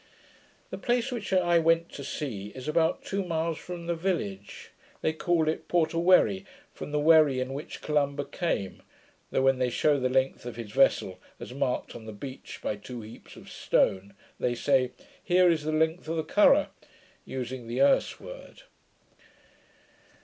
The place which I went to see is about two miles from the village. They call it Portawherry, from the wherry in which Columba came; though, when they shew the length of his vessel, as marked on the beach by two heaps of stones, they say, 'Here is the length of the currach,' using the Erse word.